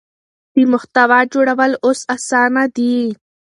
د محتوا جوړول اوس اسانه دي.